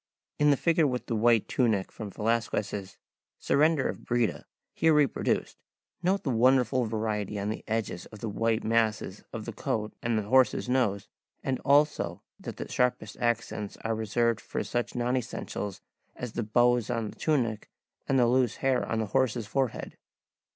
In the figure with the white tunic from Velazquez's "Surrender of Breda," here reproduced, note the wonderful variety on the edges of the white masses of the coat and the horse's nose, and also that the sharpest accents are reserved for such non essentials as the bows on the tunic and the loose hair on the horse's forehead.